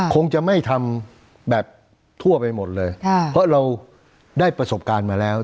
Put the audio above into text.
คงจะไม่ทำแบบทั่วไปหมดเลยเพราะเราได้ประสบการณ์มาแล้ว